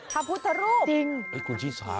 พระพุทธรูปจริงคุณชีสาคุณอุปยอดจินตนาการ